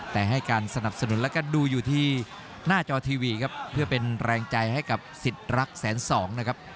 แต่ให้การสนับสนุนแล้วก็ดูอยู่ที่หน้าจอทีวีครับเพื่อเป็นแรงใจให้กับสิทธิ์รักแสนสองนะครับ